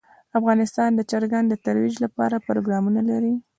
افغانستان د چرګان د ترویج لپاره پروګرامونه لري.